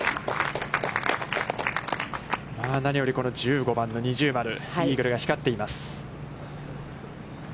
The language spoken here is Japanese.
何よりこの１５番の二重丸、イーグルが光っています。